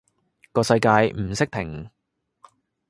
個世界唔識停